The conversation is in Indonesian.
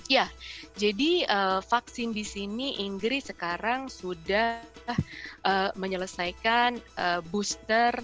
ya jadi vaksin di sini inggris sekarang sudah menyelesaikan booster